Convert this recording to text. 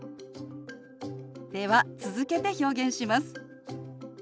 では続けて表現します。